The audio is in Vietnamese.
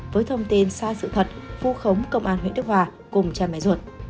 với thông tin sai sự thật phu khống công an huyện đức hòa cùng chai mái ruột